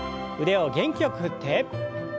腕を元気よく振って。